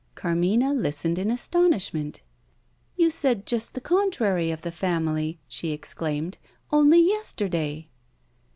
Carmina listened in astonishment. "You said just the contrary of the family," she exclaimed, "only yesterday!"